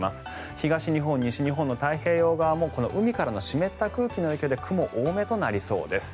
東日本、西日本の太平洋側も海からの湿った空気の影響で雲、多めとなりそうです。